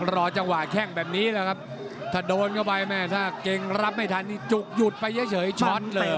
รอจังหวะแข้งแบบนี้แหละครับถ้าโดนเข้าไปแม่ถ้าเก่งรับไม่ทันนี่จุกหยุดไปเฉยช้อนเลย